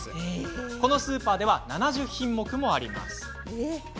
このスーパーでは７０品目もあります。